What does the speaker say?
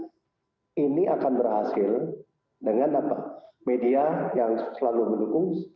jadi kita akan berhasil dengan media yang selalu mendukung